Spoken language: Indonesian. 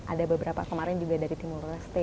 ada beberapa kemarin juga dari tim ost